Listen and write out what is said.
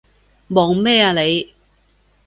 望咩啊你？